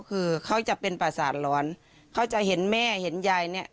คือเขาจะเป็นประสาทร้อนเขาจะเห็นแม่เห็นยายเนี่ย